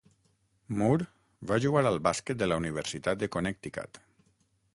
Moore va jugar al bàsquet de la Universitat de Connecticut.